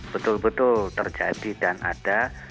betul betul terjadi dan ada